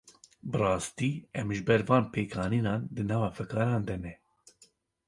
Bi rastî em ji ber van pêkanînan, di nava fikaran de ne